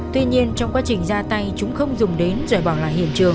tuy nhiên trong quá trình ra tay chúng không dùng đến rồi bỏ lại hiện trường